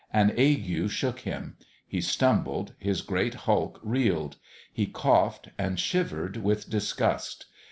An ague shook him ; he stumbled, his great hulk reeled. He coughed and shivered with disgust.